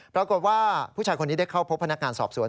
ปรากฏว่าผู้ชายคนนี้ได้เข้าพบพนักงานสอบสวน